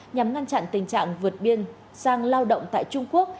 nhằm ngăn chặn tình trạng vượt biên sang lao động tại trung quốc